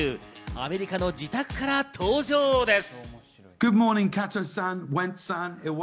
アメリカの自宅から登場です。